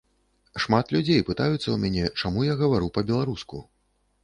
Шмат людзей пытаюцца ў мяне, чаму я гавару па-беларуску.